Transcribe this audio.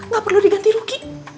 gak perlu diganti rugi